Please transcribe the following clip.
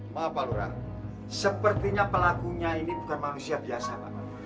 maaf pak lurah sepertinya pelakunya ini bukan manusia biasa pak